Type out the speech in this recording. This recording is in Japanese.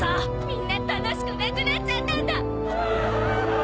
みんな楽しくなくなっちゃったんだ！